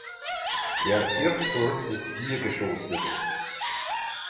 Der Kirchturm ist viergeschossig.